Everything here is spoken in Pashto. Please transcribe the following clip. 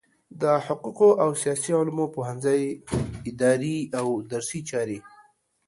د حقوقو او سیاسي علومو پوهنځی اداري او درسي چارې